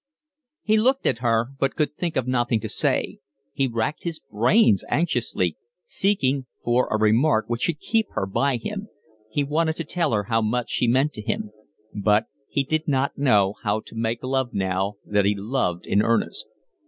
He looked at her, but could think of nothing to say; he racked his brains anxiously, seeking for a remark which should keep her by him; he wanted to tell her how much she meant to him; but he did not know how to make love now that he loved in earnest.